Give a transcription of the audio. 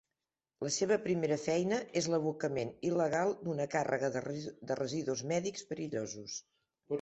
La seva primera feina és l'abocament il·legal d'una càrrega de residus mèdics perillosos.